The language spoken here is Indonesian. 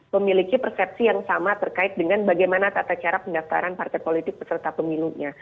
memiliki persepsi yang sama terkait dengan bagaimana tata cara pendaftaran partai politik peserta pemilunya